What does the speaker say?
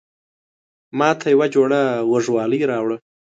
ماته يوه جوړه غوږوالۍ راوړه